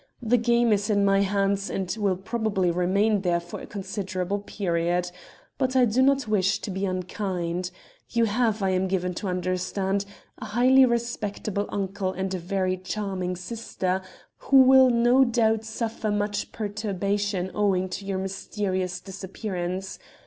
'The game is in my hands, and will probably remain there for a considerable period. But I do not wish to be unkind. You have, I am given to understand, a highly respectable uncle and a very charming sister, who will no doubt suffer much perturbation owing to your mysterious disappearance.